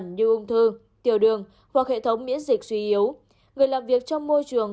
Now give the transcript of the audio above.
như ung thư tiểu đường hoặc hệ thống miễn dịch suy yếu người làm việc trong môi trường